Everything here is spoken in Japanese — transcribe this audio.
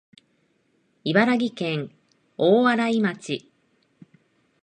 茨城県大洗町